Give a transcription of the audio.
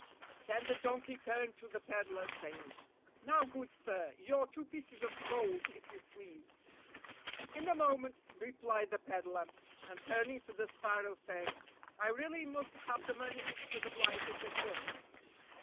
Then the donkey turned to the peddler, saying, "Now, good sir, your two pieces of gold, if you please." "In a moment," replied the peddler, and, turn ing to the sparrow, said, "I really must have the money for the blanket at once."